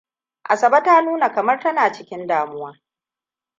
Asabe ta nuna kamar tana cikin damuwa.